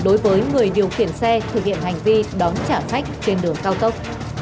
đối với người điều khiển xe thực hiện hành vi đón trả khách trên đường cao tốc